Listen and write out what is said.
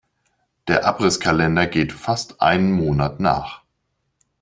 Der Abrisskalender geht fast einen Monat nach.